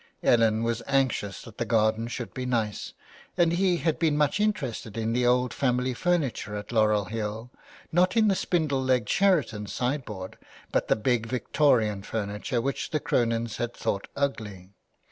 Ellen was anxious that the garden should be nice, and he had been much interested in the old family furniture at Laurel Hill, not in the spindle legged Sheraton sideboard, but in the big Victorian furniture which the Cronins thought ugly.